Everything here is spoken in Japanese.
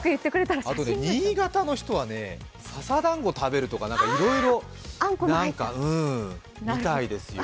あと新潟の人はささだんごを食べるとか、いろいろあるみたいですよ。